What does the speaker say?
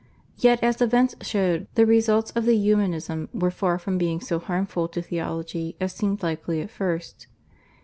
Yet as events showed the results of Humanism were far from being so harmful to theology as seemed likely at first.